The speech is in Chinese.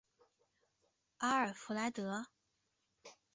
阿尔弗莱德？